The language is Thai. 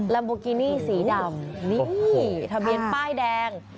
โบกินี่สีดำนี่ทะเบียนป้ายแดง